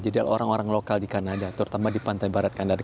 jadi orang orang lokal di kanada terutama di pantai barat kanada